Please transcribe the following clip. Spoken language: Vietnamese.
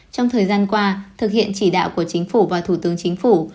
trong thời gian qua thực hiện chỉ đạo của chính phủ và thủ tướng chính phủ